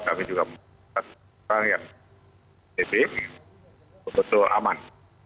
tapi juga memperhatikan hal yang lebih betul aman